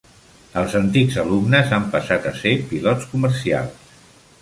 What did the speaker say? Els antics alumnes han passat a ser pilots comercials.